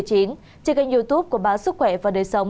trên kênh youtube của báo sức khỏe và đời sống